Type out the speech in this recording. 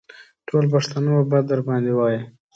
ټول پښتانه به بد در باندې وايي.